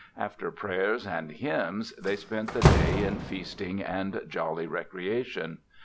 After prayers and hymns they spent the day in feasting and jolly recreation.